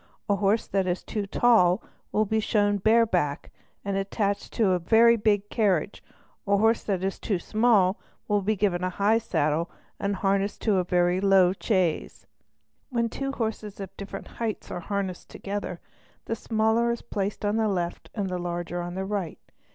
<A horse that is too 101 802 CHEATING AND FRAUD tall will be shown bare back or attached to a very big carriage, while a horse that is too small will be given a high saddle or harnessed to a very low chaise. When two horses of different heights are harnessed together, the smaller is placed on the left and the larger on the right.